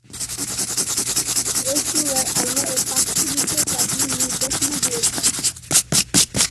এ সূরায় আল্লাহ এ পাঁচটি বিষয়ের প্রাথমিক নির্দেশনা দিয়েছেন।